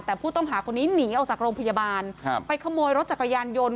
แต่ผู้ต้องหาคนนี้หนีออกจากโรงพยาบาลครับไปขโมยรถจักรยานยนต์